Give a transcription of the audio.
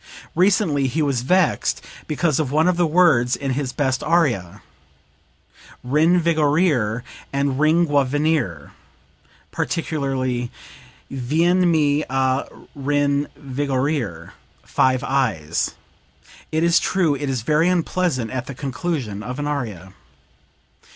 Recently he was vexed because of one of the words in his best aria 'rinvigorir' and 'ringiovenir,' particularly 'vienmi a rinvigorir' five i's. It is true it is very unpleasant at the conclusion of an aria."